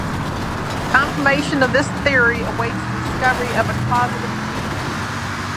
Confirmation of this theory awaits the discovery of a causative gene.